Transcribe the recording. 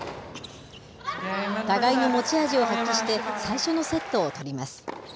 互いの持ち味を発揮して、最初のセットを取ります。